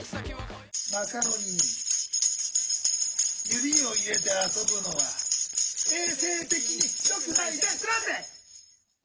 マカロニに指を入れて遊ぶのは衛生的によくないぜ、グラッチェ！